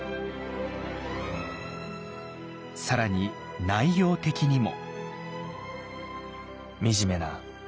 更に内容的にも。